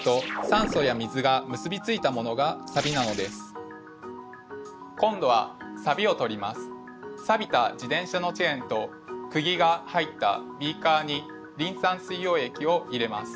さびた自転車のチェーンとくぎが入ったビーカーにリン酸水溶液を入れます。